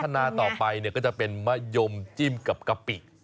ถ้าพัฒนาต่อไปเนี่ยก็จะเป็นมะยมจิ้มกับกะปิ